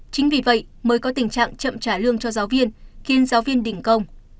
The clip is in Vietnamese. chính vì vậy mới có tình trạng chậm trả lương cho giáo viên khiến giáo viên đình công